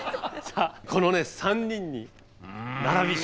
さあこの３人に並び。